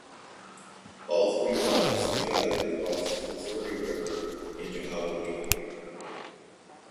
All three routes together cross the Missouri River into Howard County.